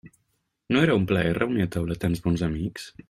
No era un plaer reunir a taula tan bons amics?